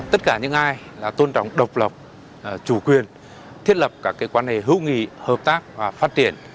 tất cả những ai tôn trọng độc lập chủ quyền thiết lập các quan hệ hữu nghị hợp tác và phát triển